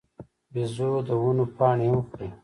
بیزو د ونو پاڼې هم خوري.